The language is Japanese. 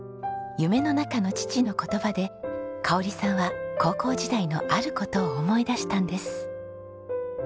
夢の中の父の言葉で香織さんは高校時代のある事を思い出したんです。